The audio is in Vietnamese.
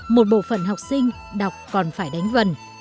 một bộ phận học sinh đọc còn phải đánh vần